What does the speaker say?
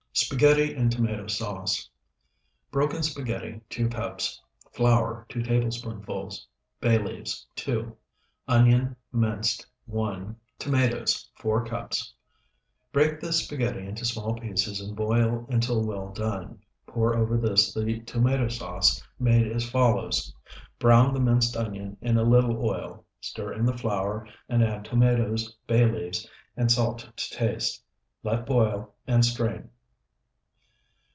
SPAGHETTI IN TOMATO SAUCE Broken spaghetti, 2 cups. Flour, 2 tablespoonfuls. Bay leaves, 2. Onion, minced, 1. Tomatoes, 4 cups. Break the spaghetti into small pieces and boil until well done. Pour over this tomato sauce, made as follows: Brown the minced onion in a little oil, stir in the flour, and add tomatoes, bay leaves, and salt to taste. Let boil, and strain.